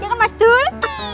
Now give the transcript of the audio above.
ya kan mas dul